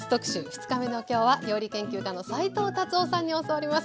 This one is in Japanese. ２日目の今日は料理研究家の斉藤辰夫さんに教わります。